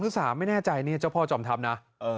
คือ๓ไม่แน่ใจนี่เจ้าพ่อจอมทัพนะ